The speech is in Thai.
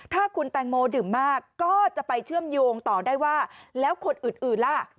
ถ้าคุณแตงโมดื่มมากก็จะไปเชื่อมโยงต่อได้ว่าแล้วคนอื่นล่ะ